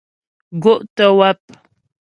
Gó' tə́ wáp.